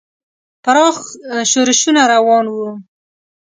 پراخ ښورښونه روان وو.